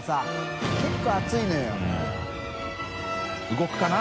動くかな？